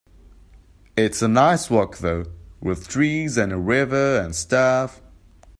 It's a nice walk though, with trees and a river and stuff.